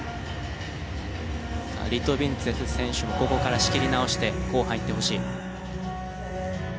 リトビンツェフ選手もここから仕切り直して後半いってほしい。